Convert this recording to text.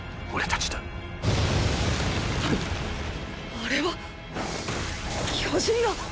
あれは⁉巨人が！！